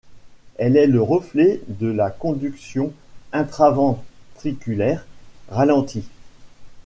Elle est le reflet de la conduction intraventriculaire ralentie.